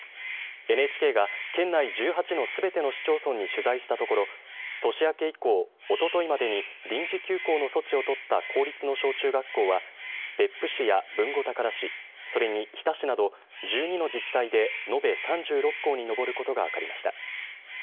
ＮＨＫが県内１８のすべての市町村に取材したところ年明け以降おとといまでに臨時休校の措置を取った公立の小中学校は別府市や豊後高田市それに日田市など１２の自治体で延べ３６校に上ることが分かりました。